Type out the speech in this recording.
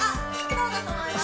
そうだと思います。